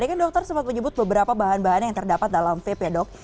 ini kan dokter sempat menyebut beberapa bahan bahan yang terdapat dalam vape ya dok